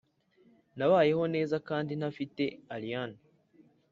nabayeho neza kandi ntafite allayne.